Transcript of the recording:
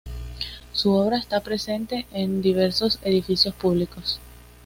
Su obra está presente en diversos edificios públicos.